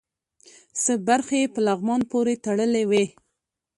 څه برخې یې په لغمان پورې تړلې وې.